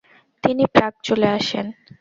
তিনি প্রাগ চলে আসেন।